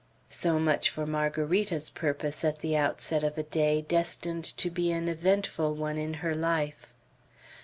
So much for Margarita's purpose, at the outset of a day destined to be an eventful one in her life.